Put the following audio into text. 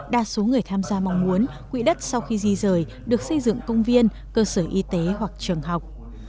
đa số người tham gia mong muốn quỹ đất sau khi di rời được xây dựng công viên cơ sở y tế hoặc trường học